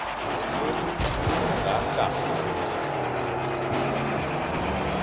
Melu ô nga kakh me mana lor.